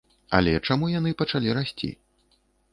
Але чаму яны пачалі расці?